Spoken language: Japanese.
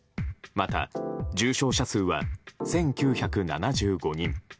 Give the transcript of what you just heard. また、重症者数は１９７５人。